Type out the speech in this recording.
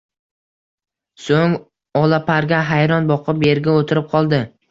So`ng, Olaparga hayron boqib, erga o`tirib qoldi